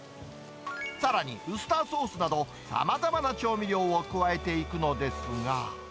さらにウスターソースなど、さまざまな調味料を加えていくのですが。